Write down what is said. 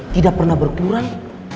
tidak pernah berkurang